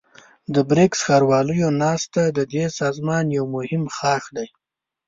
د بريکس ښارواليو ناسته ددې سازمان يو مهم ښاخ دی.